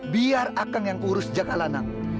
biar akang yang urus jaka lanang